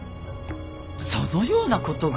そのようなことが。